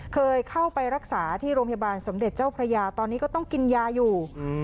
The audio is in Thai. เคยเข้าไปรักษาที่โรงพยาบาลสมเด็จเจ้าพระยาตอนนี้ก็ต้องกินยาอยู่